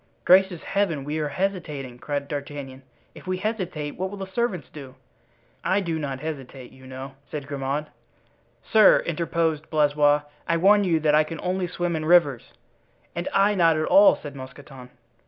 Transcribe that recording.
"Gracious Heaven, we are hesitating!" cried D'Artagnan; "if we hesitate what will the servants do?" "I do not hesitate, you know," said Grimaud. "Sir," interposed Blaisois, "I warn you that I can only swim in rivers." "And I not at all," said Mousqueton.